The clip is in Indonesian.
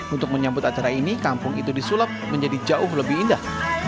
untuk menyambut acara ini kampung itu disulap menjadi jauh lebih indah